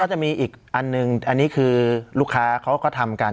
จะมีอีกอันหนึ่งอันนี้คือลูกค้าเขาก็ทำกัน